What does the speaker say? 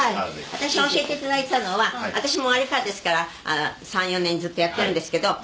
私が教えて頂いたのは私もあれからですから３４年ずっとやってるんですけど。